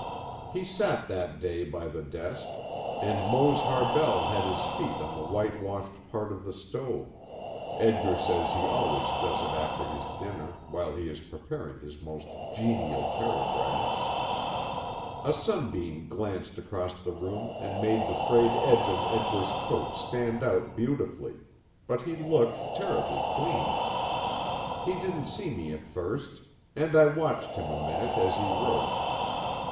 He sat that day by the desk, and Mose Harbell had his feet on the white washed part of the stove, Edgar says he always does it after his dinner, while he is preparing his most "genial" paragraphs. A sunbeam glanced across the room, and made the frayed edge of Edgar's coat stand out beautifully, but he looked terribly clean. He didn't see me at first, and I watched him a minute as he wrote.